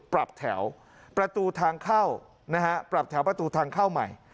ปรับแถวประตูทางเข้านะฮะปรับแถวประตูทางเข้าใหม่